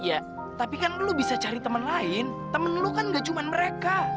ya tapi kan lo bisa cari temen lain temen lo kan gak cuma mereka